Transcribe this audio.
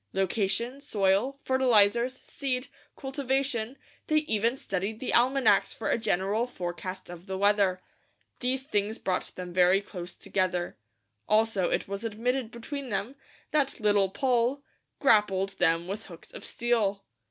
Location, soil, fertilizers, seed, cultivation they even studied the almanacs for a general forecast of the weather. These things brought them very close together. Also it was admitted between them, that Little Poll "grappled them with hooks of steel."